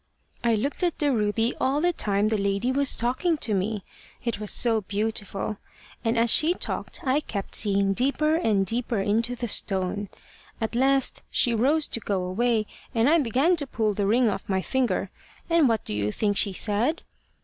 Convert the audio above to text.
"I looked at the ruby all the time the lady was talking to me, it was so beautiful! And as she talked I kept seeing deeper and deeper into the stone. At last she rose to go away, and I began to pull the ring off my finger; and what do you think she said?